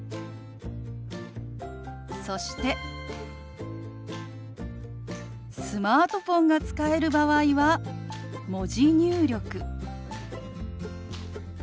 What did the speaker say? そしてスマートフォンが使える場合は文字入力。